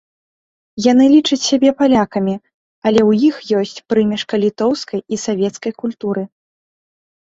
Яны лічаць сябе палякамі, але ў іх ёсць прымешка літоўскай і савецкай культуры.